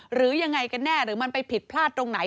หรือยังไงกันแน่หรือมันไปผิดพลาดตรงไหน